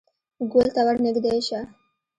_ګول ته ور نږدې شه.